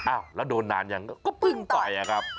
อ้าวแล้วโดนนานยังก็เพิ่งต่อยอะครับ